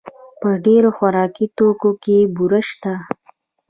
په ډېر خوراکي توکو کې بوره شته.